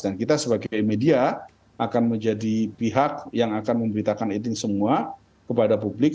dan kita sebagai media akan menjadi pihak yang akan memberitakan ini semua kepada publik